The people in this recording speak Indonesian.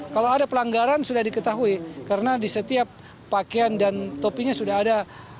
kalau ada pelanggaran sudah diketahui karena di setiap pakaian dan topinya sudah ada